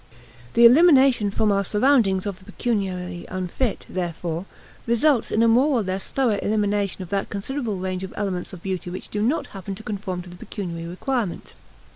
The elimination from our surroundings of the pecuniarily unfit, therefore, results in a more or less thorough elimination of that considerable range of elements of beauty which do not happen to conform to the pecuniary requirement.